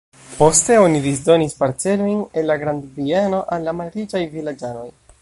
Poste oni disdonis parcelojn el la grandbieno al la malriĉaj vilaĝanoj.